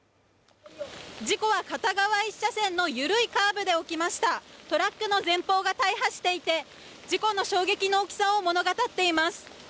事故は片側１車線の緩いカーブで起きましたトラックの前方が大破していて事故の衝撃の大きさを物語っています